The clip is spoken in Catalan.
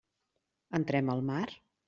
Entrem al mar?